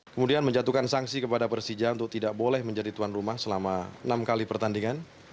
kemudian menjatuhkan sanksi kepada persija untuk tidak boleh menjadi tuan rumah selama enam kali pertandingan